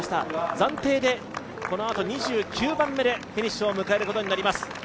暫定でこのあと２９番目でフィニッシュを迎えることになります。